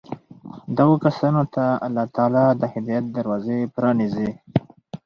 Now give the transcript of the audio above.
دغو كسانو ته الله تعالى د هدايت دروازې پرانېزي